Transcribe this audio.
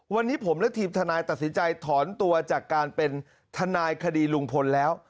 วันนี้ผมและทีมทนายตัดสินใจถอนตัวจากการเป็นทนายคดีลุงพลแล้ว